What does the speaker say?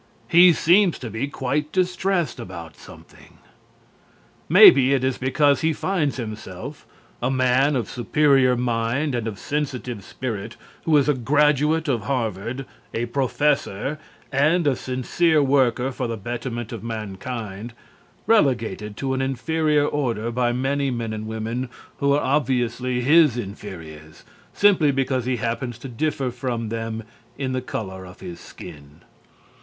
He seems to be quite distressed about something. Maybe it is because he finds himself, a man of superior mind and of sensitive spirit who is a graduate of Harvard, a professor and a sincere worker for the betterment of mankind, relegated to an inferior order by many men and women who are obviously his inferiors, simply because he happens to differ from them in the color of his skin.